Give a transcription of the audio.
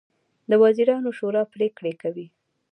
د وزیرانو شورا پریکړې کوي